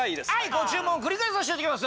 ご注文繰り返させていただきます。